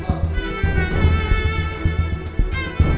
aku inget ini man banget